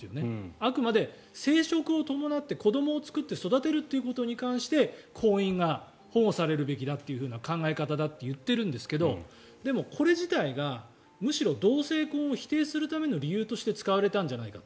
あくまで生殖を伴って子どもを作って育てるということに関して婚姻が保護されるべきだという考え方だと言ってるんですけどでも、これ自体がむしろ同性婚を否定するための理由として使われたんじゃないかと。